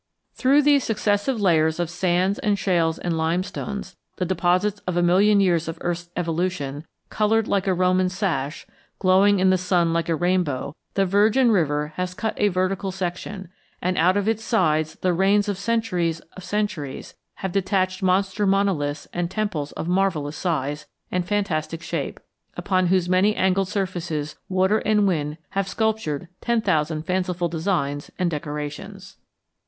Through these successive layers of sands and shales and limestones, the deposits of a million years of earth's evolution, colored like a Roman sash, glowing in the sun like a rainbow, the Virgin River has cut a vertical section, and out of its sides the rains of centuries of centuries have detached monster monoliths and temples of marvellous size and fantastic shape, upon whose many angled surfaces water and wind have sculptured ten thousand fanciful designs and decorations.